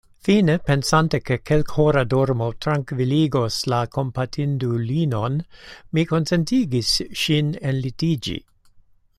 Fine, pensante, ke kelkhora dormo trankviligos la kompatindulinon, mi konsentigis ŝin enlitiĝi.